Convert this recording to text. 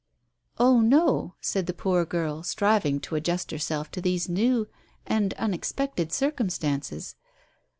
"Oh, no," said the poor girl, striving to adjust herself to these new and unexpected circumstances.